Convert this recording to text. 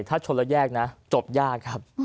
ถ้าชนแล้วแยกนะจบยากครับ